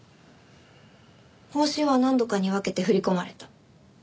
報酬は何度かに分けて振り込まれた。